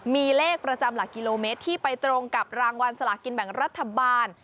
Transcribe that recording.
มีเลขประจำหลักกิโลเมตรที่ไปตรงกับรางวัลสลากินแบ่งรัฐบาล